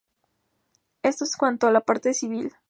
Esto en cuanto a la parte civil.